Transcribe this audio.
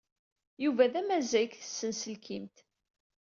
Yuba d amazzay deg tsenselkimt.